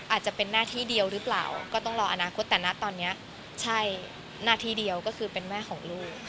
อาจจะเป็นหน้าที่เดียวหรือเปล่าก็ต้องรออนาคตแต่นะตอนนี้ใช่หน้าที่เดียวก็คือเป็นแม่ของลูก